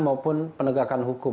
maupun penegakan hukum